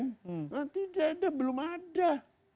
nanti di pdip belum ada